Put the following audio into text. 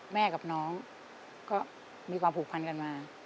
แม่กับน้องก็มีความผูกพันกันมา